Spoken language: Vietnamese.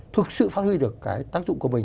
thực sự phát huy được tác dụng của mình